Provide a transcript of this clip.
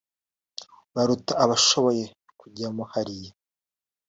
baruta abashoboye kujyamo hariya